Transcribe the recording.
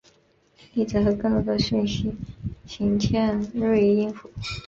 例子和更多的讯息请见锐音符。